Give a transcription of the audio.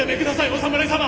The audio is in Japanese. お侍様！